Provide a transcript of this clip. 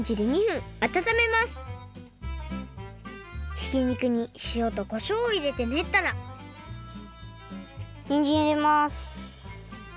ひきにくにしおとこしょうをいれてねったらにんじんいれます。